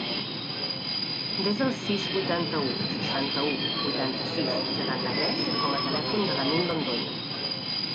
Desa el sis, vuitanta-u, seixanta-u, vuitanta-sis, setanta-tres com a telèfon de l'Amin Londoño.